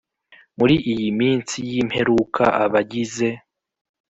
Muri iyi minsi y imperuka abagize